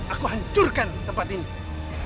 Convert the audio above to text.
aku hancurkan tempat ini